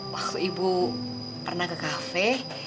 waktu ibu pernah ke kafe